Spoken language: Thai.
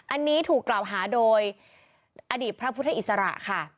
อันนี้ถูกกล่าวหาโดยอดีตพระพุทธอิสระค่ะ